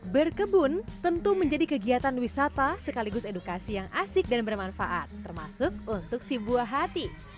berkebun tentu menjadi kegiatan wisata sekaligus edukasi yang asik dan bermanfaat termasuk untuk si buah hati